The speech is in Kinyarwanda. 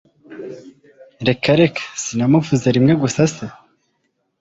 reka reka! sinamuvuze rimwe gusa se!